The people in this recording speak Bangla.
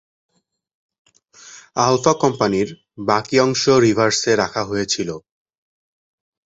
আলফা কোম্পানির বাকি অংশ রিজার্ভে রাখা হয়েছিল।